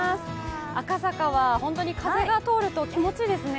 赤坂は風が通ると気持ちいいですね。